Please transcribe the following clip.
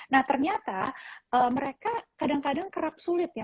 nah ternyata mereka kadang kadang kerap sulit ya